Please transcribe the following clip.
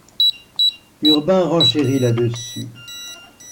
Urbain renchérit là-dessus.